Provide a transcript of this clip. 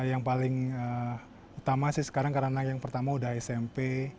yang paling utama sih sekarang karena yang pertama udah smp